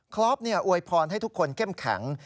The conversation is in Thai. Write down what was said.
คลอฟเนี่ยอวยพรให้ทุกคนเข้มแข็ง